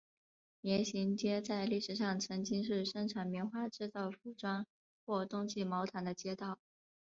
棉行街在历史上曾经是生产棉花制造服装或冬季毛毯的街道。